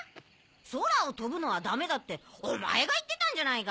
そらをとぶのはダメだっておまえがいってたんじゃないか。